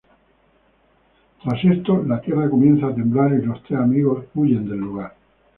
Tras esto la tierra comienza a temblar y los tres amigos huyen del lugar.